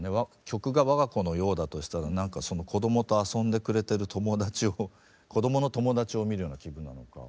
曲がわが子のようだとしたらなんかその子供と遊んでくれてる友達を子供の友達を見るような気分なのか。